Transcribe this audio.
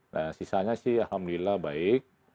nah sisanya sih alhamdulillah baik